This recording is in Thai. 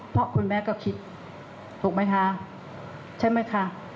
เพราะคุณแม่ก็คิดถูกไหมคะใช่ไหมคะ